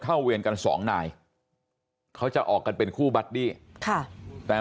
เวรกันสองนายเขาจะออกกันเป็นคู่บัดดี้ค่ะแต่